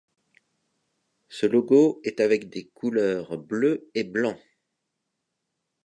Ce logo est avec des couleurs bleues et blancs.